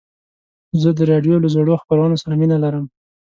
زه د راډیو له زړو خپرونو سره مینه لرم.